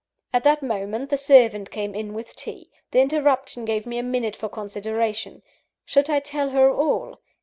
At that moment the servant came in with tea. The interruption gave me a minute for consideration. Should I tell her all?